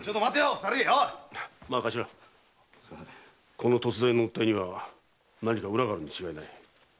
この突然の訴えには何か裏があるに違いない。